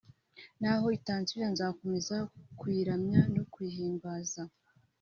n’aho itansubiza nzakomeza kuyiramya no kuyihimbaza